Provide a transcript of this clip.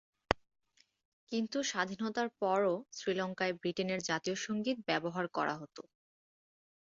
কিন্তু স্বাধীনতার পরও শ্রীলঙ্কায় ব্রিটেনের জাতীয় সংগীত ব্যবহার করা হত।